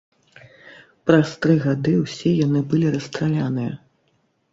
Праз тры гады ўсе яны былі расстраляныя.